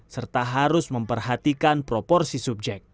serta harus memperhatikan proporsi subjek